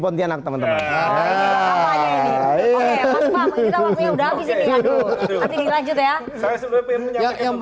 pontianak temen temen hai iya k